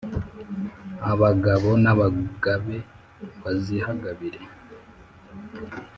Abagabo n'abagabe bazihagabire